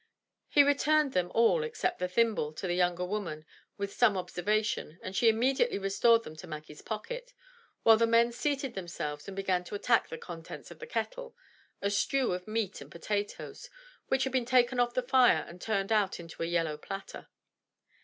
He returned them all except the thimble to the younger woman with some observation, and she immediately restored them to Maggie's pocket, while the men seated themselves and began to attack the contents of the kettle — a stew of meat and potatoes, — which had been taken off the fire and turned out into a yellow platter.